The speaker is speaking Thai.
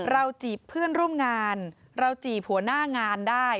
จีบเพื่อนร่วมงานเราจีบหัวหน้างานได้